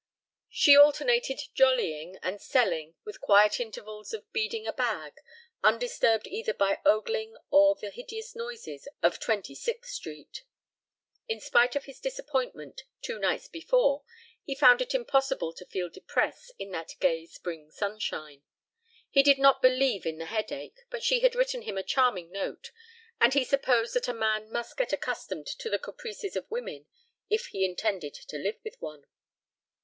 She alternated "jollying" and selling with quiet intervals of beading a bag, undisturbed either by ogling or the hideous noises of Twenty sixth Street. In spite of his disappointment two nights before he found it impossible to feel depressed in that gay spring sunshine. He did not believe in the headache, but she had written him a charming note and he supposed that a man must get accustomed to the caprices of women if he intended to live with one.